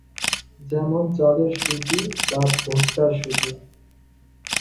যেমন চালের সুজি বা ভুট্টার সুজি।